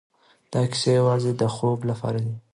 دا کيسې يوازې د خوب لپاره دي.